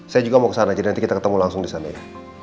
saya juga mau ke sana aja nanti kita ketemu langsung di sana ya